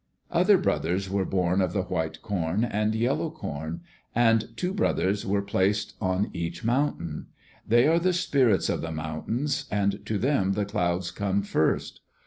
Other brothers were born of the white corn and yellow corn, and two brothers were placed on each mountain. They are the spirits of the mountains and to them the clouds come first.